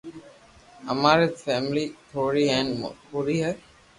اماري فيملي ٿوڙي ھين پوري ھي